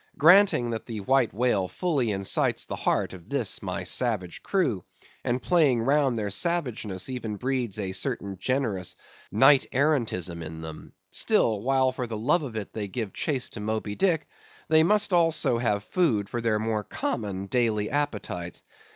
Granting that the White Whale fully incites the hearts of this my savage crew, and playing round their savageness even breeds a certain generous knight errantism in them, still, while for the love of it they give chase to Moby Dick, they must also have food for their more common, daily appetites.